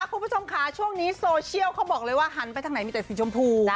คุณผู้ชมค่ะช่วงนี้โซเชียลเขาบอกเลยว่าหันไปทางไหนมีแต่สีชมพู